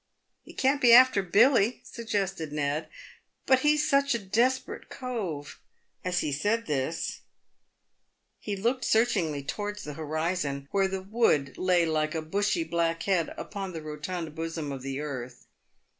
" It can't be after Billy ?" suggested Ned ;" but he's such a despe rate cove !" As he said this, he looked searchingly towards the horizon, where the wood lay like a bushy black head upon the rotund bosom of the earth.